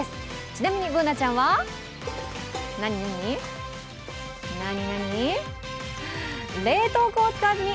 ちなみにＢｏｏｎａちゃんは、何？